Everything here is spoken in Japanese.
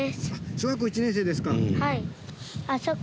小学校１年生ですか。